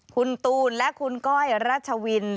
คุณตูนและคุณก้อยรัชวิน